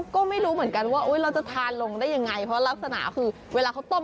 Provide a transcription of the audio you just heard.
ก็ไม่รู้เหมือนกันว่าเราจะทานลงได้ยังไงเพราะลักษณะคือเวลาเขาต้ม